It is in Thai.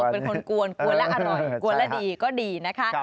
เป็นคนกวนกวนและอร่อยกวนและดีก็ดีนะคะ